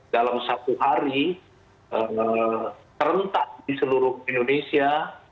dalam satu hari serentak di seluruh indonesia